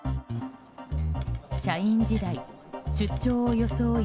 社員時代、出張を装い